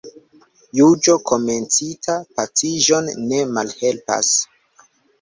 Juĝo komencita paciĝon ne malhelpas.